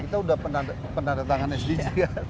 dan kita sudah penandatangan sdg